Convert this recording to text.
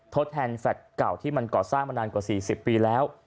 ทดแทนแฟลตเก่าที่มันก่อสร้างมานานกว่า๔๐ปีแล้ว